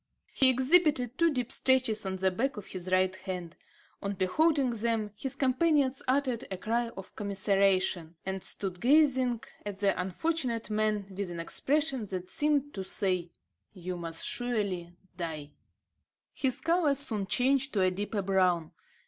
He exhibited two deep scratches on the back of his right hand. On beholding them, his companions uttered a cry of commiseration, and stood gazing at the unfortunate man with an expression that seemed to say: "You must surely die." His colour soon changed to a deeper brown.